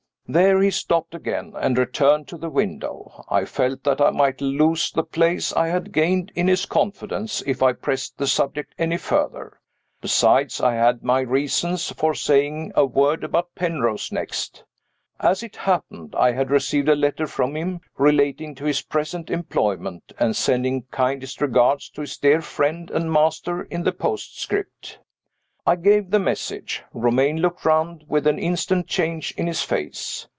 There he stopped again, and returned to the window. I felt that I might lose the place I had gained in his confidence if I pressed the subject any further. Besides, I had my reasons for saying a word about Penrose next. As it happened, I had received a letter from him, relating to his present employment, and sending kindest regards to his dear friend and master in the postscript. I gave the message. Romayne looked round, with an instant change in his face.